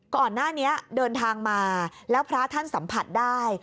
ก่อนหน้านี้เดินทางมาแล้วพระท่านสัมผัสได้